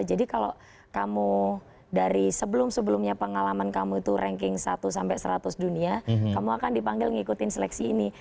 jadi kalau kamu dari sebelum sebelumnya pengalaman kamu itu ranking satu sampai seratus dunia kamu akan dipanggil ngikutin seleksi ini